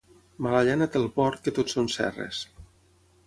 Mala llana té el porc, que tots són cerres.